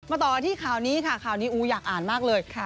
ต่อกันที่ข่าวนี้ค่ะข่าวนี้อู๋อยากอ่านมากเลย